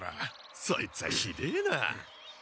そいつはひでえな。